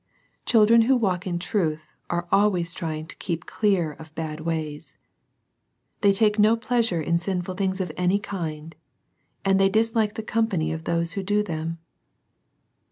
Children who walk in truth are always try ing to keep clear of bad ways. They take no pleasure in sinful things of any kind, and they dislike the company of those who do them.